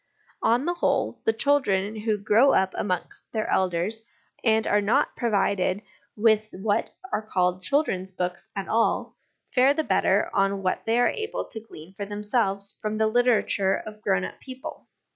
On the whole, the children who grow up amongst their elders and are not provided with what are called children's books at all, fare the better on what they are able to glean for themselves from the literature of grown up people.